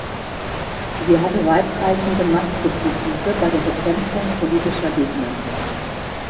Sie hatte weitreichende Machtbefugnisse bei der Bekämpfung politischer Gegner.